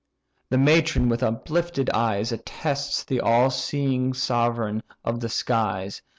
The matron with uplifted eyes Attests the all seeing sovereign of the skies.